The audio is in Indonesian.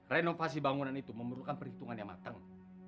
renovasi bangunan itu memerlukan perhitungan yang matang